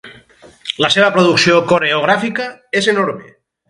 La seva producció coreogràfica és enorme.